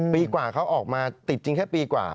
ปีกว่าเขาออกมาติดจริงแค่ปีกว่า